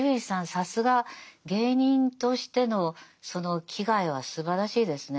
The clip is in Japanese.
さすが芸人としてのその気概はすばらしいですね。